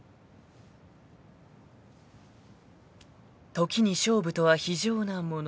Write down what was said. ［時に勝負とは非情なもの］